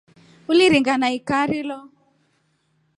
Uliringa na ikira lo.